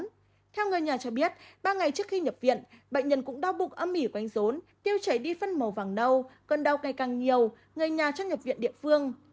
theo người nhà cho biết ba ngày trước khi nhập viện bệnh nhân cũng đau bụng ấm mỉ quanh rốn tiêu chảy đi phân màu vàng đau cơn đau ngày càng nhiều người nhà chắc nhập viện địa phương